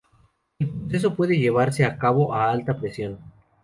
El proceso puede llevarse a cabo a alta presión.